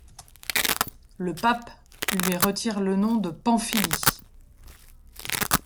Le pape lui retire le nom de Pamphili.